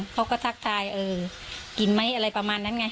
ทักทายเออกินไหมอะไรประมาณนั้นไง